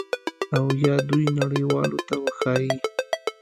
او یا دوی نړیوالو ته وښایي